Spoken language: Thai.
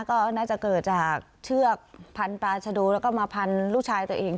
ก็น่าจะเกิดจากเชือกพันปลาชะโดแล้วก็มาพันลูกชายตัวเอง